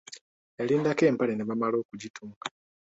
Yalindako empale ne bamala okugitunga!